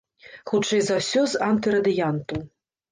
Хутчэй за ўсё, з антырадыянту.